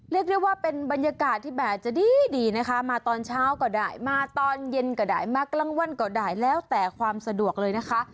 เรียกได้ว่าเป็นบรรยากาศที่แบบจะดีดีนะคะมาตอนเช้าก็ได้มาตอนเย็นก็ได้มากลางวันก็ได้แล้วแต่ความสะดวกเลยนะคะ